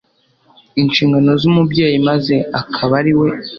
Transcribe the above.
inshingano zumubyeyi maze akaba ari we